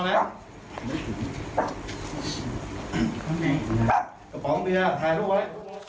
แล้วกระป๋องเบียร์ถ่ายรูปไว้